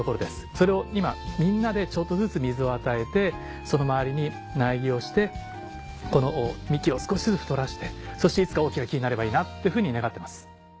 それを今みんなでちょっとずつ水を与えてその周りに苗木をしてこの幹を少しずつ太らせてそしていつか大きな木になればいいなって願ってます。